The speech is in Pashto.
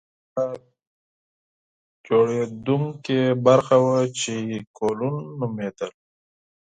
دوی یوه تولیدونکې برخه وه چې کولون نومیدل.